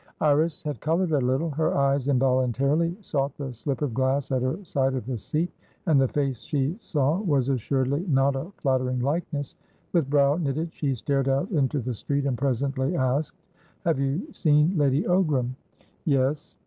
Iris had coloured a little. Her eyes involuntarily sought the slip of glass at her side of the seat, and the face she saw was assuredly not a flattering likeness. With brow knitted, she stared out into the street, and presently asked: "Have you seen Lady Ogram?" "Yes."